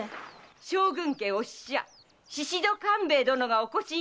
将軍家お使者・宍戸官兵衛殿がお越しになられましたぞ。